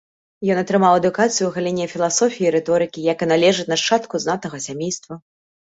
Ён атрымаў адукацыю ў галіне філасофіі і рыторыкі, як і належыць нашчадку знатнага сямейства.